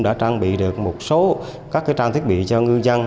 đã trang bị được một số các trang thiết bị cho ngư dân